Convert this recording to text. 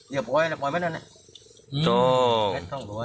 เดี๋ยวปล่อยพอไว้แม่นั้นอื้มสอง